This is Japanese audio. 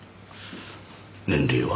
年齢は？